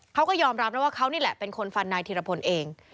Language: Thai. เขาก็ยอมรับนะว่าเขานี่แหละเป็นคนฟันนายธิรพลเอง